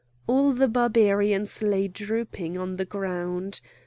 All the Barbarians lay drooping on the ground.